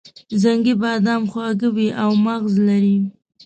زنګي بادام خواږه وي او مغز لري.